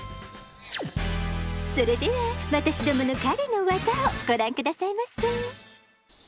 それでは私どもの狩りの技をご覧くださいませ。